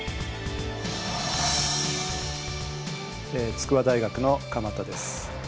筑波大学の鎌田です。